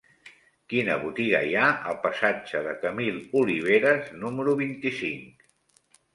Quina botiga hi ha al passatge de Camil Oliveras número vint-i-cinc?